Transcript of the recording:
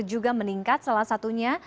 juga meningkat salah satunya